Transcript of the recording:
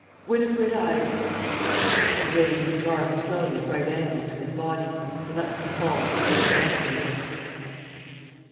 _) Winifred, I (_He raises his arms slowly at right angles to his body and lets them fall heavily down again.